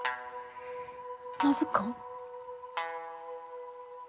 暢子。